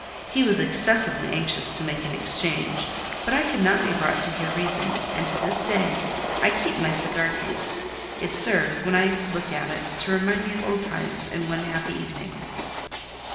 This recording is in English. He was excessively anxious to make an exchange; but I could not be brought to hear reason, and to this day I keep my cigar case: it serves, when I look at it, to remind me of old times, and one happy evening.